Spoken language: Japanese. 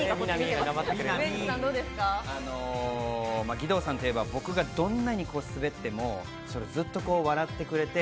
義堂さんといえば僕がどんなに滑ってもずっと笑ってくれて。